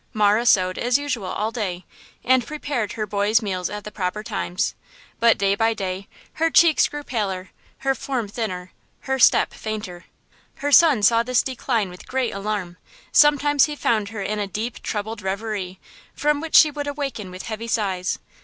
Marah sewed as usual all day, and prepared her boy's meals at the proper times. But day by day her cheeks grew paler, her form thinner, her step fainter. Her son saw this decline with great alarm. Sometimes he found her in a deep, troubled reverie, from which she would awaken with heavy sighs.